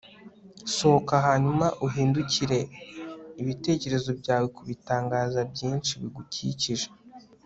sohoka hanyuma uhindukire ibitekerezo byawe kubitangaza byinshi bigukikije